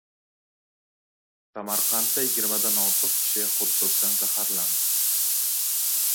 Samarqandda yigirmadan ortiq kishi xot-dogdan zaharlandi